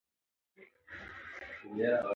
که تاسي وغواړئ زه به دا فایل درسره شریک کړم.